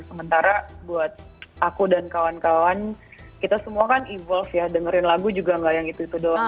sementara buat aku dan kawan kawan kita semua kan evolve ya dengerin lagu juga nggak yang itu itu doang